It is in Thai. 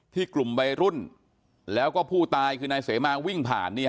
ที่กลุ่มวัยรุ่นแล้วภูตายนายเสมางวิ่งผ่าน